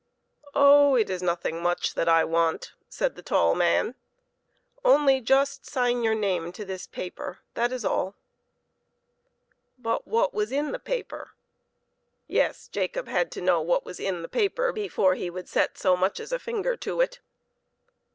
" Oh, it is nothing much that I want," said the tall man ;" only just sign your name to this paper that is all." But what was in the paper? Yes; Jacob had to know what was in the paper before he would set so much as a finger to it.